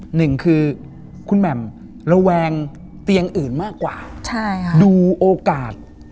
หนึ่งคือคุณแหม่มระแวงเตียงอื่นมากกว่าใช่ค่ะดูโอกาส